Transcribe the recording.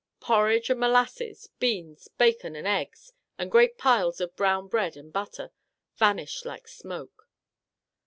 Por ridge and molasses, beans, bacon and eggs, and great piles of brown bread and butter, vanished like smoke.